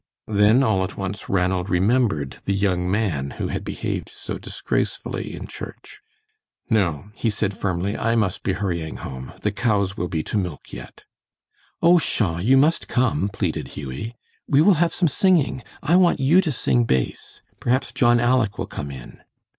Then all at once Ranald remembered the young man who had behaved so disgracefully in church. "No," he said, firmly, "I must be hurrying home. The cows will be to milk yet." "Oh, pshaw! you must come," pleaded Hughie. "We will have some singing. I want you to sing bass. Perhaps John 'Aleck' will come in."